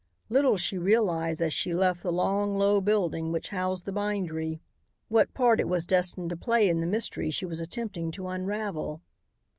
Little she realized as she left the long, low building which housed the bindery, what part it was destined to play in the mystery she was attempting to unravel.